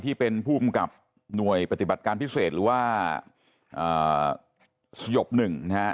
ที่เป็นผู้กำกับหน่วยปฏิบัติการพิเศษหรือว่าสยบหนึ่งนะฮะ